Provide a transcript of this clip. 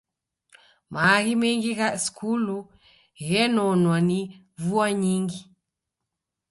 Maaghi mengi gha skulu ghenonwa ni vua nyingi.